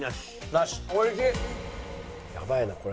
やばいなこれ。